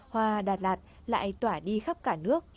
hoa đà lạt lại tỏa đi khắp cả nước